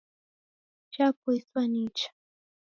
Chapoiswa nicha